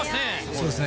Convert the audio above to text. そうですね